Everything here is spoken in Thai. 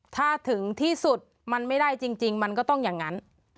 ถ้าถึงที่สุดมันไม่ได้จริงมันก็ต้องอย่างนั้น